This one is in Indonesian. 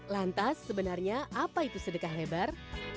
lantas sebenarnya apa itu sedekah lebar